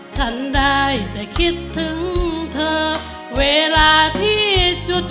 ฉันได้แต่คิดถึงเธอเวลาที่จุด